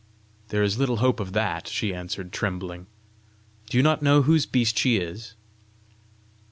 "There is little hope of that!" she answered, trembling. "Do you not know whose beast she is?"